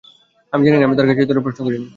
আমি জানিনা আমি তার কাছে এই ধরনের প্রশ্ন করিনি।